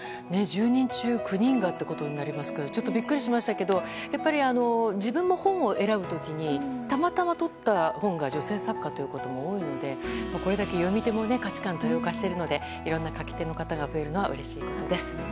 １０人中９人がということになりますけどビックリしましたけどやっぱり、自分も本を選ぶ時にたまたまとった本が女性作家ということも多いのでこれだけ読み手も価値観が多様化しているのでいろんな書き手の方が増えるのはうれしいです。